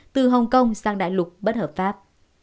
từ hồng kông sang đại lục bất hợp pháp